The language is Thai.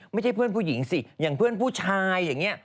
เพื่อนผู้หญิงสิอย่างเพื่อนผู้ชายอย่างนี้